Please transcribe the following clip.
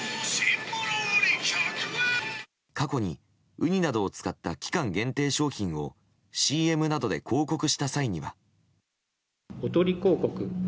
過去に、ウニなどを使った期間限定商品をＣＭなどで広告した際には。